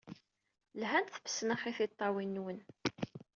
Lhant tfesnax i tiṭṭawin-nwen.